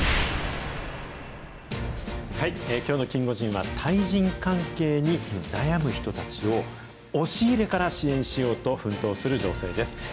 きょうのキンゴジンは、対人関係に悩む人たちを、押し入れから支援しようと奮闘する女性です。